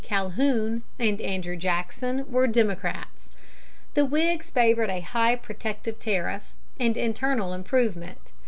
Calhoun and Andrew Jackson were Democrats. The Whigs favored a high protective tariff and internal improvement.